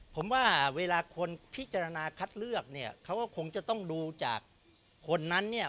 ผมว่าเวลาคนพิจารณาคัดเลือกเนี่ยเขาก็คงจะต้องดูจากคนนั้นเนี่ย